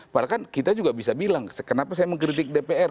padahal kan kita juga bisa bilang kenapa saya mengkritik dpr